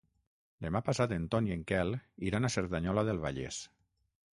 Demà passat en Ton i en Quel iran a Cerdanyola del Vallès.